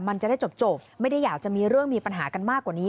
มันจะได้จบไม่ได้อยากจะมีเรื่องมีปัญหากันมากกว่านี้